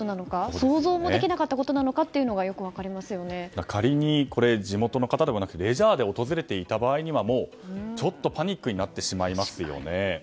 想像もできなかったことなのかということが仮にこれ地元の方ではなくレジャーで訪れていた場合にはちょっとパニックになってしまいますよね。